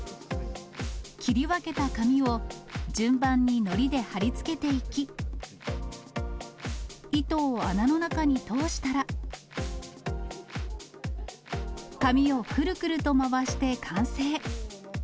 切り分けた紙を順番にのりで貼り付けていき、糸を穴の中に通したら、紙をくるくると回して完成。